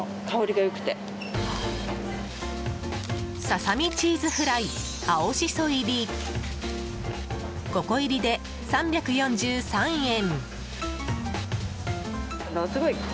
ささみチーズフライ青しそ入り５個入りで３４３円。